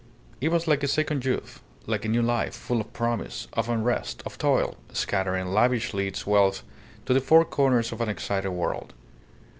It was like a second youth, like a new life, full of promise, of unrest, of toil, scattering lavishly its wealth to the four corners of an excited world.